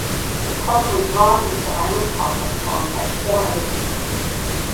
The club were drawn into the Islands Conference alongside four other teams.